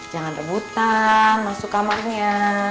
jangan rebutan masuk kamarnya